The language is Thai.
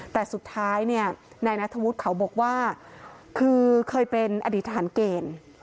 แต่สุดท้ายเนี่ยนายนัทธวุฒิเขาบอกว่าคือเคยเป็นอดีตทหารเกณฑ์